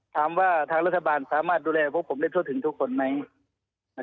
ถามว่าทางรัฐบาลสามารถดูแลพวกผมได้ทั่วถึงทุกคนไหม